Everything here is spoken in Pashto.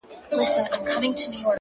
انسان حیوان دی” حیوان انسان دی”